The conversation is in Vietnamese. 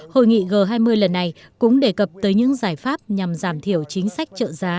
hội nghị g hai mươi lần này cũng đề cập tới những giải pháp nhằm giảm thiểu chính sách trợ giá